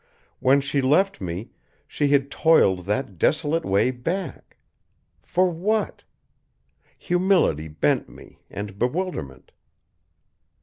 When she left me, she had toiled that desolate way back. For what? Humility bent me, and bewilderment.